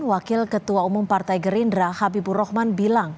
wakil ketua umum partai gerindra habibur rahman bilang